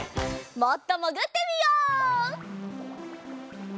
もっともぐってみよう！